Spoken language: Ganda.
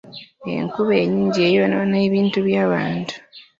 Enkuba ennyingi eyonoona ebintu by'abantu.